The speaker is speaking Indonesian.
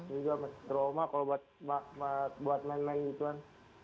ini juga masih trauma kalau buat main main gituan